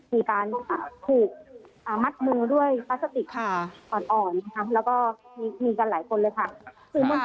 มีการถูกมัดมือด้วยพลาสติกอ่อนแล้วก็มีกันหลายคนเลยค่ะ